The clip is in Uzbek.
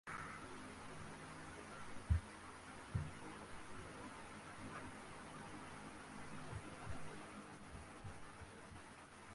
Keyin o‘sha ta’magir domlalarni ko‘rib, oxirigacha o‘qishga qasd qildim.